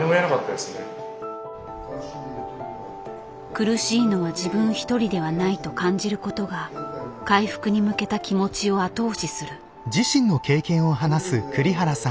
苦しいのは自分一人ではないと感じることが回復に向けた気持ちを後押しする。